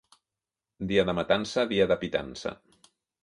Dia de matança, dia de pitança.